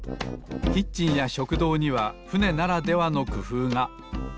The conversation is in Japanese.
キッチンや食堂にはふねならではのくふうが。